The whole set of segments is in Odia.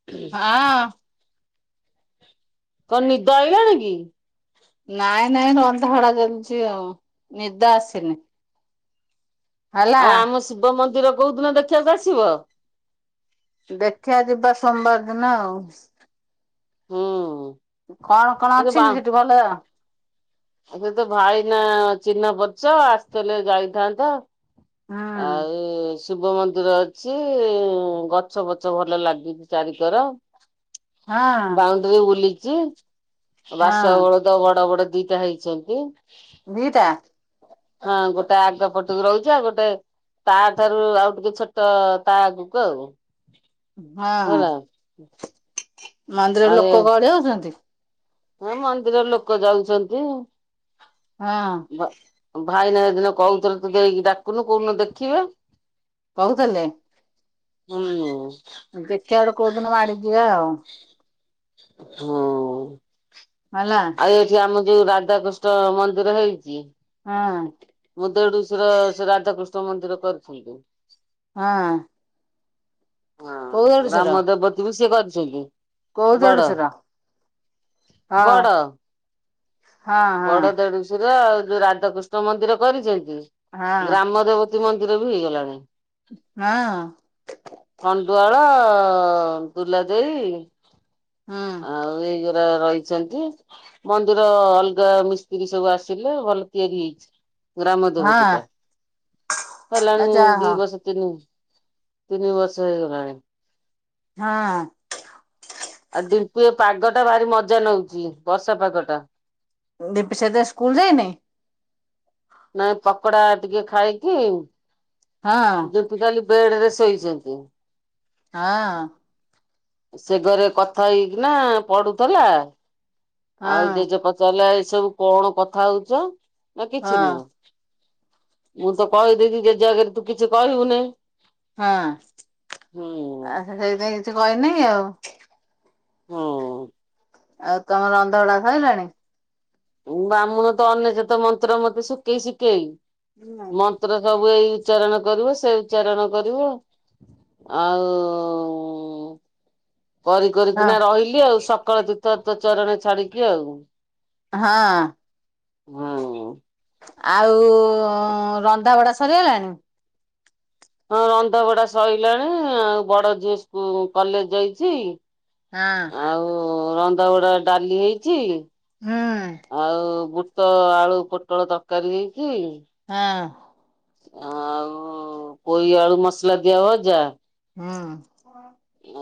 ହଁ। କଣ ନିଦଆଇଲାଣୀକି? ନାଇଁ ନାଇଁ ରନ୍ଧା ହଡ଼ା କରୁଛି ଆଉ ନିଦ ଆସିନି। ହେଲା। ଆଉ ଆମ ଶିବ ମନ୍ଦିର କୋଉ ଦିନ ଦେଖିବାକୁ ଆସିବ? ଦେଖିବା ଯିବା ସୋମବାର ଦିନ ଆଉ। ହୁଁ। କଣ କଣ ଅଛି ସେଠି ଭଲ ଆ ଏବେ ତ ଭାଇ ନା ଚିହ୍ନ ପଛ ଆସିଲେ ଯାଇଥାନ୍ତା। ହୁଁ ଆଉ ସୁ ଶିବ ମନ୍ଦିର ଅଛି ଗଛ ଫଛ ଭଲ ଲାଗୁଛି ଚାରିକର। ହଁ ବାଉଣ୍ଡରି ବୁଲିଛି ହଁ ବାସଆ ବଳଦ ବଡ଼ ବଡ଼ ଦାହେଇଛନ୍ତି। ଦିଟା? ହଁ ଗୋଟେ ଆଗ ପଟକୁ ରହିଛି ଆଉ ଗୋଟେ ତା ଠାରୁ ଆଉ ଟିକେ ଛୋଟ ତା ଆଗକୁ ଆଉ। ହଁ ହେଲା। ମନ୍ଦିର ରେ ଲୋକ ଗହଳି ହଉଛନ୍ତି? ହେ ମନ୍ଦିର ରେ ଲୋକ ଯାଉଛନ୍ତି। ହଁ। ଭାଇନା ଏଦିନ କହୁଥିଲେ ତୁ ଦେଇକି ଡାକୁନୁ କୋଉଁ ଦିନ ଦେଖିବେ। କହୁଥିଲେ? ହୁଁ। ଦେଖିବା ବଡ଼ କୋଉଦିନ ମାଡ଼ି ଯିବା ଆଉ। ହୁଁ ହେଲା ଆଉ ଏଠି ଆମ ଯୋଉ ରାଧାକୃଷ୍ଣ ମନ୍ଦିର ହେଇଛି। ହଁ ହଁ। ମୋ ଦେଢ଼ସୁର ସେ ରାଧାକୃଷ୍ଣ ମନ୍ଦିର କରିଛନ୍ତି। ହଁ। ହଁ କୋଉ ଦେଢୁଶୁର ଗ୍ରାମ ଦେବତୀ ବି ସିଏ କରିଛନ୍ତି। କୋଉ ବଡ଼, ଦେଢୁଶୁର ହଁ ବଡ଼। ହଁ ହଁ ବଡ଼ ଦେଢ଼ଶୁର ଆଉ ଯୋଉ ରାଧାକୃଷ୍ଣ ମନ୍ଦିର କରିଛନ୍ତି ହଁ। ଗ୍ରାମ ଦେବ ମନ୍ଦିର ବି ହେଇଗଲାଣି। ହଁ। ଅ ଦୁଲା ଦେଇ ହୁଁ ଆଉ ଏଇଗ ର ରହିଛନ୍ତି। ମନ୍ଦିର ଅଲଗ୍ ଗାଁ ମିସ୍ତ୍ରୀ ସବୁ ଆସିଲେ ଭଲ ତିଆରି ହେଇଛି। ଗ୍ରାମ ହଁ ଦେବତୀ ଟା ଆ ହେଲାଣି ଯାହା ଦି ବର୍ସ ତିନି ତିନି ବର୍ଷ ହେଇଗଲାଣି। ହଁ। ଆଉ ଦିନପୁ ଏ ପାଗ ଟା ଭାରି ମଜା ନଉଛି ବର୍ଷା ପାଗ ଟା। ଦିପ ସେ ତ ସ୍କୁଲ ଯାଇନି? ନାଇ ପକୋଡା ଟିକେ ଖାଇକି ହଁ ଯେ କଲି ବେଡ ରେ ଶ ଶୋଇଛନ୍ତି। ହଁ। ସେ ଘରେ କଥା ହେଇକିନା ପଢୁଥିଲା। ହଁ ଆଉ ଜେଜେ ପଚାରିଲା ଏସବୁ କଣ କଥା ହଉଛ ନା କିଛି ନୁହଁ। ହଁ ମୁଁ ତ କହିଦିଦି ଯେଜ ଆଗରେ ତୁ କିଛି କହିବୁନି। ହଁ ହୁଁ ଆ ସେଇଥିାଇ କିଛି କହିନି ଆଉ। ହଁ। ଆଉ ତମର ଅନ୍ଧଗଡା ସଇିଲାଣି? ବାମୁଣ ତ ଅନ୍ୟସତ ମନ୍ତ୍ର ମତେ ଶୁଖେଇ ଶୁଖେଇ। ହୁଁ। ସବୁ ଏଇ ଉଚ୍ଚାରଣ କରିବ ସେ ଉଚ୍ଚାରଣ କରିବ। ଆଉ ଉ କରି ହଁ କରିକିନା ରହିଲି ଆଉ ସକାଳ ତୀର୍ଥ ତୋ ଚରଣେ ଛାଡିକି ଆଉ। ହଁ। ହଁ। ଆଉ ଉ ରନ୍ଧାବଢଡା ସରିଗଲାଣି? ହଁ ରନ୍ଧା ବଢା ସରିଲାଣି ଆଉ ବଡ ଝିଅ ସ୍କୁ କଲେଜ ଯାଇଛି। ହଁ ଆଉ ରନ୍ଧାବଡା ଡାଲି ହେଇଛି। ହୁଁ ଆଉ ବୁଟ ଆଳୁ ପୋଟଳ ତରକାରୀ ହେଇଚି। ହଁ। ଆଉ ପୋଇ ଆଳୁ ମସଲା ଦିଆ ଭଜା। ହଁ।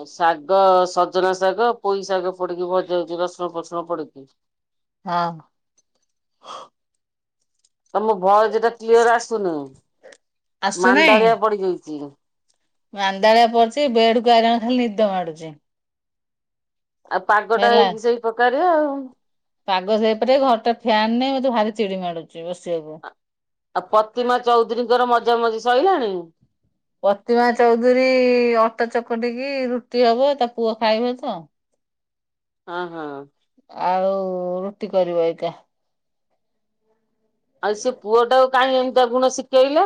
ଶାଗ ସଜନା ଶାଗ ପୋଇ ଶାଗ ପଡିକି ଭଜା ହଉଛି ରସୁଣ ଫୋସୁନ ପଡିକି। ହଁ। ତମ ଭୟଜ ଟା କ୍ଲିଅର ଆସୁନି। ଆସୁନାହିଁ ମାନ୍ଦାଳିଆ ପଡିଯାଇଛି। ମାନ୍ଦାଳିଆ ପଡଚି ବେଡ କୁ ଆଇଣ ଖାଲି ନିଦ ମାଡୁଚି। ଆଉ ପାଗଟା ହେଇକି ସେଇ ପ୍ରକାରେ ଆଉ। ପାଗ ସେଇପରି ଘରଟା ଫ୍ୟାନ ନେଇ ମତେ ଭାରି ଚିଡି ମାଡୁଛି ବସିବାକୁ। ଆଉ ପ୍ରତିମା ଚୌଧୁରୀଙ୍କର ମଜା ମଜି ସରିଲାଣି? ପ୍ରତିମା ଚୌଧୁରୀ ଅଟା ଚକଟିକି ରୁଟି ହବ ତା ପୁଅ ଖାଇବ ତ। ହଁ ହଁ। ଆଳୁ ରୁଟି କରିବ ଏଇଟା। ଆଉ ସେ ପୁଅଟା କାହିଁକ ଏମିତିଆ ଗୁଣ ଶିଖେଇଲେ?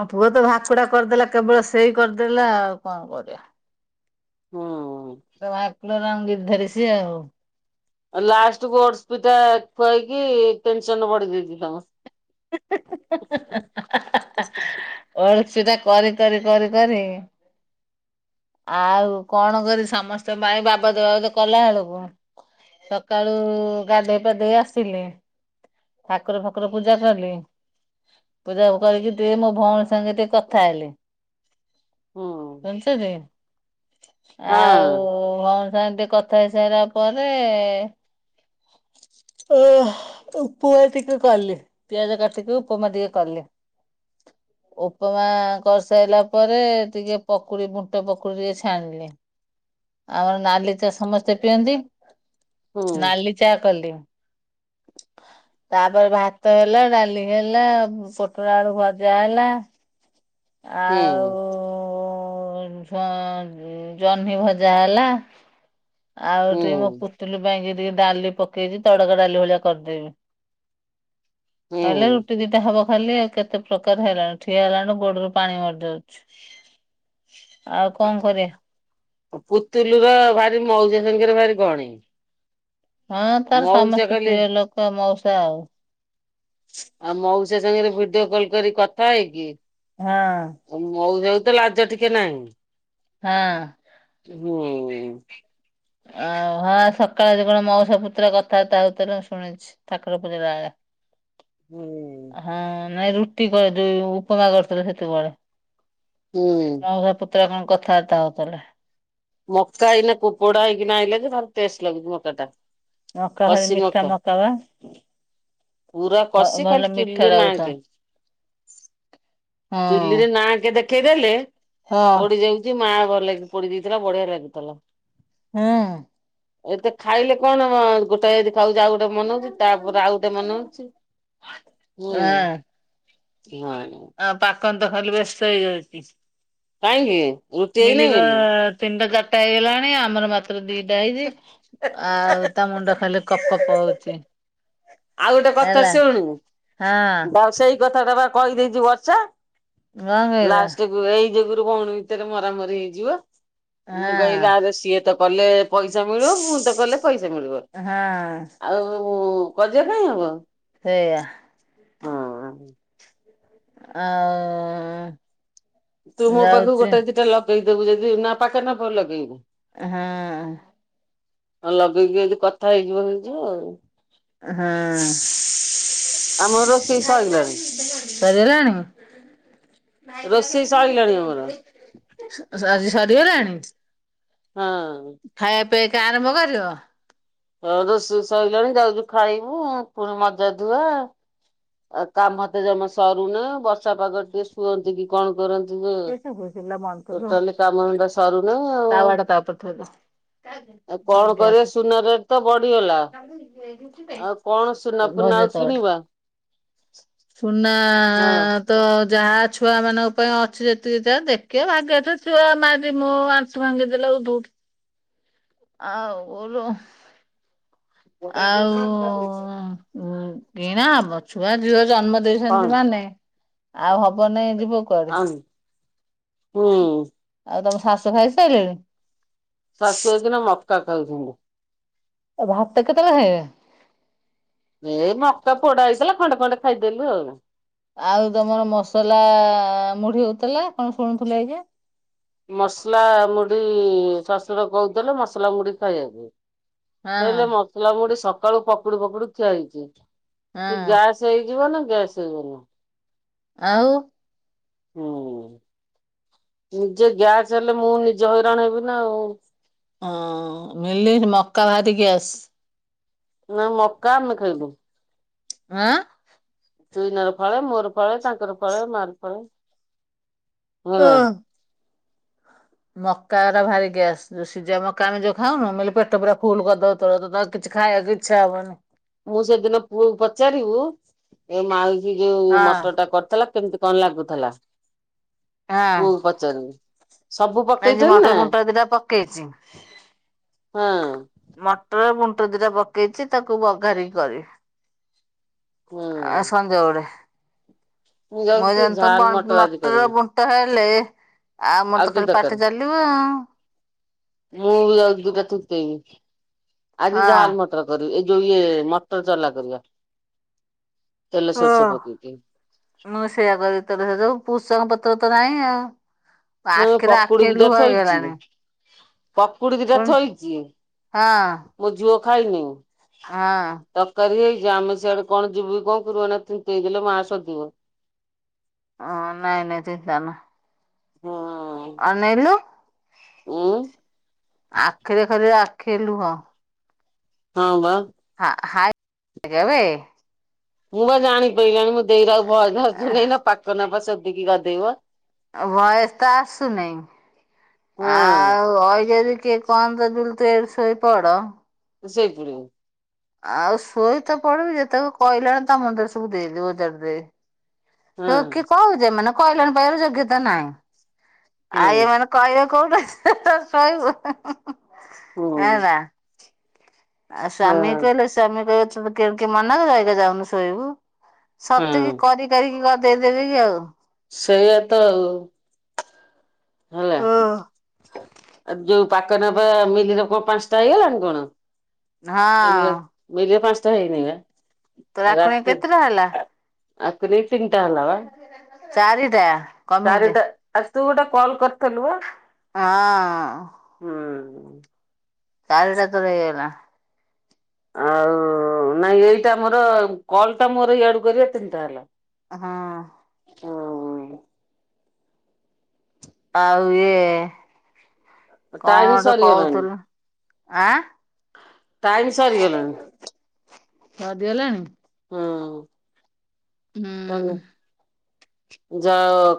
ଆଉ ପୁଅ ତ ଭାକୁଡା କରିଦେଲା କେବଳ ସେଇ କରିଦେଲା ଆଉ କଣ କରିବା? ହଁ ଅଁ ଭାକୁଲରାମ ଗିର୍ଦ୍ଧାରି ସିଏ ଆଉ ଲାଷ୍ଟକୁ ପି [unintelligible] ଠା ଖୁଆଇକି ଟେନସନ ବଢି ଦେଇଛି ତମ [unintelligible] ସେଟା କରି କରି କରି କରି ଆଉ କଣ କରି ସମସ୍ତଙ୍କ ପାଇଁ ବାବଦ ବାବଦ କଲା ବେଳକୁ ସକାଳୁ ଗାଧେଇ ପାଧେଇ ଆସିଲେ, ଠାକୁର ଫାକୁର ପୂଜା ପୂଜା କଲି, ପୂଜା କରିକି ଟିକେ ମୋ ଭଉଣୀ ସାଙ୍ଗେ ଟିକେ କଥା ହେଲି। ହୁଁ। ଶ ଆଉ ହଁ ହ [unintelligible] ସେନ୍ତି କଥା ହେଇସାରିଲା ପରେ ଏଏ [inaudible] ଓ ହ ଉପମା ଟିକେ କଲି, ପିଆଜ କାଟିକି ଉପମା ଟିକେ କଲି। [inaudible] ଉପମା କରିସାରିଲା ପରେ, ଟିକେ ପକୁଡି ବୁଟ ପକୁଡି ଟିକେ ଛାଣିଲି । ଆମର ନାଲି ଚା ସମସ୍ତେ ପିଅନ୍ତି, ହୁଁ ନାଲି ଚା କଲି । [inaudible] ତାପରେ ଭାତ ହେଲା, ଡାଲି ହେଲା, ପୋଟଳ ଆଳୁ ଭଜା ହେଲା । ଆ ହୁଁ ଉ ଉ ଉ ଉଉ ଝ ଜହ୍ନି ଭଜା ହେଲା । ଆଉ ଟିକେ ମୋ ହୁଁ ପୁତୁଲୁ ପାଇଁ କି? ଟିକେ ଡାଲି ପକେଇଛି ତଡକା ଡାଲି ଭଳିଆ କରିଦେବି । ଖାଲି ହୁଁ। ରୁଟି ଦିଟା ହବ ଖାଲି, ଆଉ କେତେ ପ୍ରକାର ହେଲାଣି, ଠିଆ ହେଲାଠୁ ଗୋଡରୁ ପାଣି ମାରିଦଉଛୁ, ଆଉ କଣ କରିବା? ପୁତୁଲୁ ର ଭାରି ମଉସା ସାଙ୍ଗରେ ଭାରି ଗଣେଇ ହଁ ତାର ସମସ୍ତେ ପ୍ରିୟ ଲୋକ ମଉସା ଆଉ ଆଉ ମଉସା ସାଙ୍ଗରେ ଭିଡିଓ କଲ କରି କଥା ହେଇକି, ହଁ। ଆଉ ମଉସା ତ ଲାଜ ଟିକେ ନାହିଁ । ହଁ ହୁଁ ଉଁ ଆଉ ହଁ ସ ସକାଳେ ଆଜି କଣ ମଉଷା ପୁତୁରା କଥାବାର୍ତ୍ତା ହଉଥିଲେ, ଶୁଣିଛି, ଠାକୁର ପୂଜିଲା ବେଳେ ହୁଁ ହଁ, ନାଇଁ ରୁଟି କରିଦେବି, ଉପମା କରିଥିଲି ସେତେବେଳେ ହୁଁ ଉଁ କେତ କଣ କଥାବାର୍ତ୍ତା ହଉଥିଲେ । ମକା ଏଇନା କୁପଡା ହେଇକିନା ଆଇଲା ଯେ ଭାରି ଟେଷ୍ଟ ଲାଗୁଛି ମକା ଟା । ମକା ଭାରି ମିଠା ମକା ବା ପୁରା ଭ କଷି, ଭଲ ଖାଲି ମିଠା ଚୁଲିରେ ଲାଗୁଥାଏ ନାକି ହଁ ଚୁଲିରେ ନାଁ କେ ଦେଖ ପକେଇଦେଲେ ହଁ ପୋଡିଯାଉଛି, ମା ଭଲ କି ପୋଡି ଦେଇଥିଲା, ବଢିଆ ଲାଗୁଥିଲା । ହୁଁ ଉଁ ଏତେ ଖାଇଲେ କଣ? ଗୋଟାଏ ସକାଳୁ ଯା ଗୋଟେ ମନଉଛି, ତାପରେ ଆଉ ଗୋଟେ ମନଉଛି, ହୁଁ ଉଁ ଆଁ। ନାଇଁମ ଆପଣ ତ ଖାଲି ବ୍ୟସ୍ତ ହେଇଯାଉଛି । କାହିଁକି? ରୁଟି ମିଲି ହେଇନି ର ବୋଲି ତିନିଟା ଚାରିଟା ହେଇଗଲାଣି, ଆମର ମାତ୍ର ଦି ଟା ହେଇଛି, ଆଉ ତା ମୁଣ୍ଡ ଖାଇଲେ କପ୍ କପ୍ ହଉଛି ଆଉ ଗୋଟେ କଥା ହେଲା ଶୁଣୁ, ହଁ। ସେଇ କଥାଟା ବା କହିଦେଇଛି ବର୍ଷା କଣ । କହିଲ ଲାଷ୍ଟକୁ ଏଇ ଯୁଗରୁ ଭଉଣୀ ଭିତରେ ମରାମରି ହେଇଯିବ । ମୁଁ କହିଲ ହଁ ଆରେ ସିଏ ତ କଲେ। ପଇସା ମିଳିବ ମୁଁ ତ କଲେ ପଇସା ମିଳିବ। ହଁ ଆଉ କଜିଆ କାଇଁ ହବ? ସେଇଆ। ହଁ। ଆଆଆ ତୁ ମୋ ପାଖକୁ ଗୋଟେ ଦିଟା ଲଗେଇଦବୁ ଯଦି ନା ପାକ ନା ପାଖକୁ ଲଗେଇବୁ? ଏଁ ହଁ। ହଁ ଲଗେଇକି ଯଦି କଥା ହେଇଯିବ ହେଇଯିବ ଆଉ। ଏଁ ହଁ। ଆମର ରୋଷେଇ ସଇଲାଣି। ସରିଗଲାଣି? ରୋଷେଇ ସଇଲାଣି ଆମର ସ୍ ଆଜି ସରିଗଲାଣି? ହଁ। ଖାଇବା ପିଆକେ ଆରମ୍ଭ କରିବ? ଆଉତ ତ ସୁ-ସ୍-ସରିଲାଣି ଯାଉଚୁ ଖାଇବୁ ପୁଣି ମଜା ଧୁଆ ଆଉ କାମ ତ ଜମା ସରୁନି ବର୍ଷା ପାଗରେ ଟିକେ ଶୁଅନ୍ତି କି କଣ କରନ୍ତି ଯୋ ତାୱାଟା ଟୋଟାଲି କାମ ଧନ୍ଦା ସରୁନେଇ ଆଉ। ତା ଉପରେ ଥୋଇଦେ ଆଉ କଣ ଗ୍ୟାସ କରିବା ସୁନା ରେଟ୍ ତ ବଢିଗଲା ଆଉ କଣ ସୁନା ଫୁନା ଭଜା ଆଉ ତାୱାଟା। କିଣିବା? ସୁନା ହଁ ଆଁ ତ ଯାହା ଛୁଆମାନଙ୍କ ପାଇଁ ଅ ସେ ଯେତିକି ଯା ଦେଖିଆ ଭାଗି ଥିବା ଛୁଆ ମାରି ମୁଁ ମୋ ଆଣ୍ଠୁ ଭାଙ୍ଗି ଦେଲେ ଧୌଡି ଆ ଓଲୋ କଣ ଆଉ ଉଁ କିଣା ହବ ଛୁଆ ଝୁଅ ର। ଜନ୍ମ ଦେଇଛନ୍ତି ମାନେ ଆଉ ହବ ନେଇଁ ଯିବ କୁଆଡେ ଆଉଁ ହୁଁ ଆଉ ତମ ଶାଶୁ ଖାଇ ସାଇଲେଣି? ଶାଶୁ ଏଇଖିନା ମକା ଖାଉଚିନ୍ତି। ଏ ଭାତ କେତେବେଳେ ଖାଇବେ? ଏଇ ମକା ପୋଡା ହେଇଥିଲା ଖଣ୍ଡେ ଖଣ୍ଡେ ଖାଇଦେଲୁ ଆଉ। ଆଉ ତମର ମସଲା ମୁଢି ହଉଥିଲା କଣ ଶୁଣୁଥିଲେ ଏଇଙ୍ଖା। ମସଲା ମୁଢି ଶଶୁର କହୁଥିଲେ ମସଲା ମୁଢି ଖାଇଆକୁ। ହଁ ହେଲେ ମସଲା ମୁଢି ସକାଳୁ ପକଡୁ ଫକଡୁ ଖିଆ ହେଇଚି। ସେ ହଁ ଗ୍ୟାସ୍ ହେଇଯିବ ନା ଗ୍ୟାସ ହେଇବ ନି? ଆଉ ହୁଁ। ଉଁ ଯେ ଗ୍ୟାସ ହେଲେ ମୁଁ ନିଜେ ହଇରାଣ ହେବି ନା ଆଉ। ଅଁ ମିଲି ଏ ମକା ଭାରି ଗ୍ୟାସ୍। ନା ମକା ଆମେ ଖାଇବୁ। ଆଁ? ଚୁଇିନାର ଫାଳେ ମୋର ଫାଳେ ତାଙ୍କର ଫାଳେ ମାଆ ର ଫାଳେ। ଓ ହେଲା। ମକା ଗୁରା ଭାରି ଗ୍ୟାସ୍ ଯୋଉ ସିଝା ମକା ଆମେ ଯୋଉ ଖାଉନୁ ମିଲି ପେଟ ପୁରା ଫୁଲ କରିଦବ ତୋର। ତୁ ତ ଆଉ କିଛି ଖାଇଆକୁ ଇଚ୍ଛା ହଉବନି। ମୁଁ ସେଦିନ ପୁଅକୁ ପଚାରିବୁ ଏ ମାଉସି ଯୋଉ ହଁ ମଟର ଟା କରିଥିଲା କେମିତି କଣ ଲାଗୁଥିଲା ପୁଅ କୁ ପଚାରିବୁ। ସବୁ ନାଇଁ ଆଜି ପକେଇଥିଲି ନା ମଟର ବୁଣ୍ଟ ଦିଟା ପକେଇଚି। ହଁ ମଟର ବୁଣ୍ଟ ବୁଟ ଦିଟା ପକେଇଚି ତାକୁ ବଘାରି କରିି ଆ ହୁଁ। ସଞ୍ଜ ବେଳେ। ମୁଁ ଯାଉଛି ଟିକେ ମଇଦାନ ତ ଝାଲ ମଟର ଆଜି ମଟରର କରିବି ବୁଣ୍ଟ ହେଲେ ଆଉ ଆମର ତ ଖାଲି ପାଟି ତକାରି ଚାଲିବ ମୁଁ ବି ଯାଉଚି ଦି ଟା ତିନ୍ତେଇବି। ଆଜି ଆଉ ଝାଲ୍ ମଟର କରିବ। ଏଇ ଯୋଉ ଇଏ ମଟର ଚଲା କରିବା। ତେଲ ସୋରିଷ ପକେଇକି। ମୁଁ ସେୟା କରିବି ତାର ସେ ଯୋଉ ଯ ପୁଷଙ୍ଗ ପତ୍ର ତ ନାଇଁ ଆଉ। ନାଇଁ ଆଖିରେ ପକୁଡି ଆଖି ବି ଦି ଲୁହ ଟା ଥୋଇଚି। ହେଇଗଲାଣି ପକୁଡି ଦିଟା ପୁଣି ଥୋଇଛି ହଁ ମୋ ଝିଅ ଖାଇନି ହଁ ତରକାରି ହେ ଯେ ଆମେ ସିଆଡେ କଣ ଯିବୁ କି କଣ ଗୋରୁ ମାନେ ଅଛନ୍ତି ଫିଟେଇଦେଲେ ମା ଶୋଦିବ। ହଁ ନାଇଁ ନାଇଁ ଚିତା ନା। ଅନେଇଲୁ। ଊଁ। ଆଖିରେ ଖାଲି ଆଖିଏ ଲୁହ। ହଁ ବା। ହଁ ହଁ ଏଇଟା ବେ। ମୁଁ ବା ଜାଣିପାରିଲିଣି ମୋ ଦେଇର ଆଉ ବ ଧୈର୍ଯ୍ୟ ନାଇ ନା ପାକନ ଅପା ଶୋଦିକି ଗାଧେଇବ। ଆଉ ଭଏସ ତ ଆସୁନି ଆଉ ହଁ ଅଇ ଯଦି କିଏ କଣ ତ ଜୁଲୁ ତୁ ଏଇଠି ଶୋଇପଡ। ସେଇ ପଟୁ। ଆଉ ଶୋଇତ ପଡିବି ଯେତେକ କହିଲାଣି ତା ମୁଣ୍ଡରେ ସବୁ ଦେଇଦେ ଓଜାଡି ଦେ। ହଁ ତ କି କହୁଛି ମାନେ କଲ୍ୟାଣୀ ପାଖରେ ଯୋଗ୍ୟତା ନାହିଁ ଆ ହଁ ଏଇ ମାନେ କହିବେ କୋଉଠୁ ହେ ହେ ଶୋଇବୁ ହେଁ ହେଁ। ଉଁ ହୁଁ ହେଲା। ଆଉ ହଁ ସ୍ୱାମୀ କହିଲେ ସ୍ୱାମୀ କହିବ ତତେ କିଏ କିଏ ମନାକଲା ଏଇକା ଯାଉନୁ ଶୋଇବୁ। ହଁ ସତେକି କରି କରିକି ଗଦେଇଦେବି କି ଆଉ। ସେଇଆ ତ ଆଉ। ହେଲା ଆଉ ଯୋଉ ପାକନ ପା ମିଲିର କଣ ପାଞ୍ଚଟା ହେଇଗଲାଣି କଣ? ମିିଲିର ହଁ ମିିଲିର ପାଞ୍ଚଟା ହେଇ ନାଇ ବା। ତୋ ଆକୁଣୀ ରାତି କେତେଟା ହେଲା? ଆକୁ ନେଇ ତିନିଟା ହେଲା ବା ଚାରିଟା କମେଇ ଦିଅ ଚାରିଟା ତୁ ଗୋଟେ କଲ୍ କରିଥିଲୁ ବା? ହଁ। ଉଁ। ଚାରିଟା ତୋର ହେଇଗଲା। ଆଉ ନାଇଁ ଏଇଟା ମୋର କଲ ଟା ମୋର ଇଆଡୁ କରିବା ତିନିଟା ହେଲା। ହଁ। ହୁଁ। ଆଉ ଇଏ କଣ ଟାଇମ ଗୋଟେ ସରିଗଲାଣି କହୁଥିଲୁ ଆଁ। ଟାଇମ ସରିଗଲାଣି ସରିଗଲାଣି। ହୁଁ। ହୁଁ। ଯାଅ ଖା